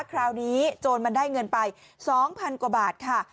โจรมันได้เงินไป๒๐๐๐กว่าบาทค่ะ